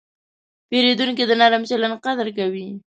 پیرودونکی د نرم چلند قدر کوي.